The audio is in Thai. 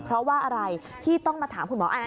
เพราะว่าอะไรที่ต้องมาถามคุณหมออันนั้น